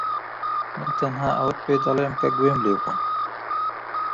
من تەنها ئەوەت پێدەڵێم کە گوێم لێ بووە.